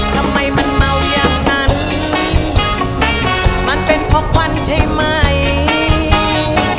ทำไมมันเมาอย่างนั้นมันเป็นเพราะควันใช่ไหม